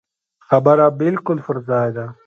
خبره بالکل پر ځای ده.